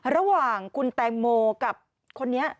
ระหว่างคุณแตงโมกับคนนี้